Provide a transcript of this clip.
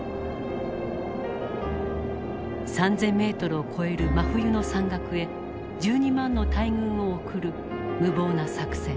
３，０００メートルを超える真冬の山岳へ１２万の大軍を送る無謀な作戦。